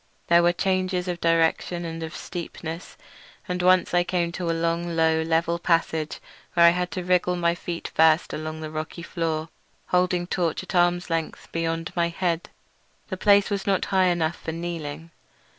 There were changes of direction and of steepness, and once I came to a long, low, level passage where I had to wriggle feet first along the rocky floor, holding my torch at arm's length beyond my head. The place was not high enough for kneeling.